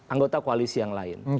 anggota koalisi yang lain